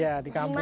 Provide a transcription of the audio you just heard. iya di kampung